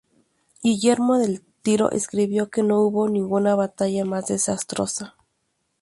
Guillermo de Tiro escribió que no hubo ninguna batalla más desastrosa.